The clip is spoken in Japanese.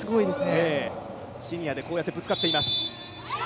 シニアでこうやってぶつかっています。